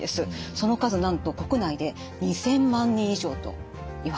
その数なんと国内で２，０００万人以上といわれています。